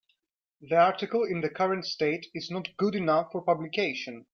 The article in the current state is not good enough for publication.